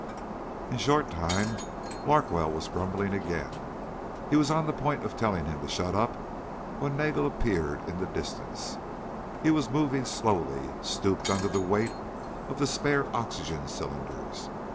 In short time Larkwell was grumbling again. He was on the point of telling him to shut up when Nagel appeared in the distance. He was moving slowly, stooped under the weight of the spare oxygen cylinders.